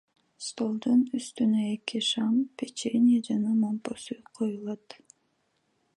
Столдун үстүнө эки шам, печенье жана момпосуй коюлат.